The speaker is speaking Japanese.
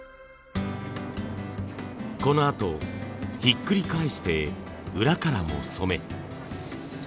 このあとひっくり返して裏からも染め。